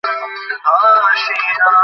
এ-রকম কিছুদিন চললে আপনি পাগল হয়ে যাবেন।